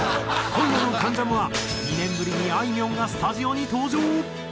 今夜の『関ジャム』は２年ぶりにあいみょんがスタジオに登場！